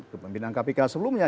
kepemimpinan kpk sebelumnya